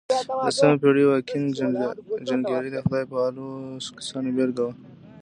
لسمه پېړۍ واکینګ جنګيالي د خدای پالو کسانو بېلګه وه.